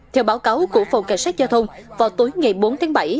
theo báo cáo của phòng cảnh sát giao thông vào tối ngày bốn tháng bảy